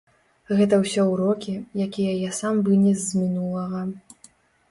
Гэта ўсё ўрокі, якія я сам вынес з мінулага.